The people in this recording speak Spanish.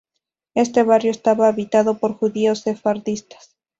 Este barrio estaba habitado por judíos sefarditas.